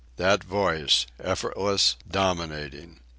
That voice!—effortless, dominating!